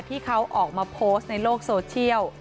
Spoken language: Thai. ที่เขาออกมาโพสต์ในโลกโซเชียล